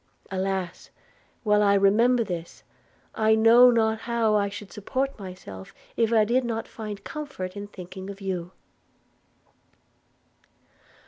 Alas! while I remember this, I know not how I should support myself if I did not find comfort in thinking of you.'